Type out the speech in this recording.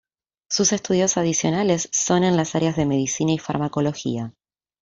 Sus estudios adicionales son en las áreas de medicina y farmacología.